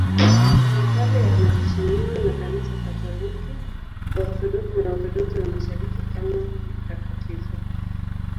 Tangu kale anaheshimiwa na Kanisa Katoliki, Waorthodoksi na Waorthodoksi wa Mashariki kama mtakatifu.